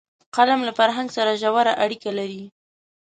قلم له فرهنګ سره ژوره اړیکه لري